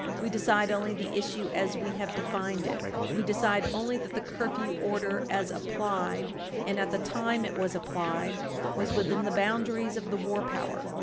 "We decide only the issue as we have defined it we decide only that the curfew order, as applied, and at the time it was applied, was within the boundaries of the war power."